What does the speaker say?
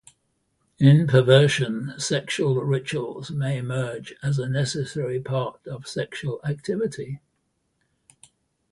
In perversion, sexual rituals may emerge as a necessary part of sexual activity.